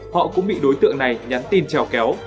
họ cũng bị đối tượng này nhắn tin treo kéo